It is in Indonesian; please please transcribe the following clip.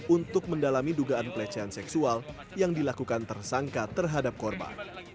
untuk mendalami dugaan pelecehan seksual yang dilakukan tersangka terhadap korban